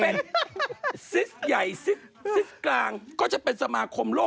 เป็นซิสใหญ่ซิสกลางก็จะเป็นสมาคมโลก